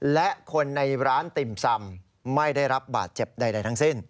และคนในร้านติ่มซำไม่ได้รับบาดเจ็บใดทั้งสิ้น